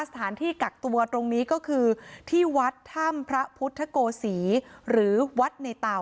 สถานที่กักตัวตรงนี้ก็คือที่วัดถ้ำพระพุทธโกศีหรือวัดในเต่า